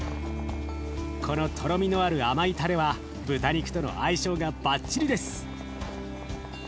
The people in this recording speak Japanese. このとろみのある甘いたれは豚肉との相性がバッチリです！